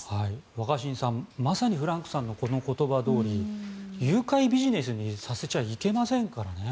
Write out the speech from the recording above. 若新さん、まさにフランクさんのこの言葉どおり誘拐ビジネスにさせちゃいけませんからね。